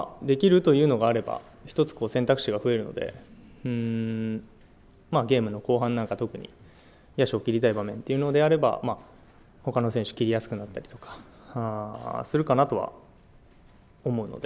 できるというのがあれば、１つ選択肢が増えるので、ゲームの後半なんか特に野手を切りたい場面であれば、ほかの選手を切りやすくなったりするかなとは思うので。